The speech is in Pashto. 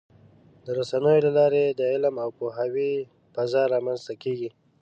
د رسنیو له لارې د علم او پوهاوي فضا رامنځته کېږي.